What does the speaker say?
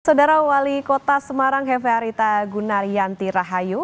saudara wali kota semarang hefearita gunaryanti rahayu